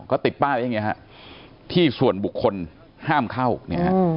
ก็ติดป้านอย่างเงี้ยฮะที่ส่วนบุคคลห้ามเข้านะฮะ